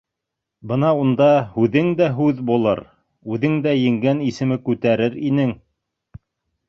Бына унда һүҙең дә һүҙ булыр, үҙең дә еңгән исеме күтәрер инең.